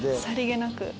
さりげなく。